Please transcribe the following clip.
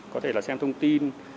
có thể là xem thông tin